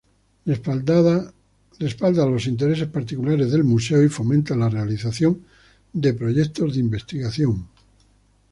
Respalda los intereses particulares del museo y fomenta la realización de proyectos de investigación.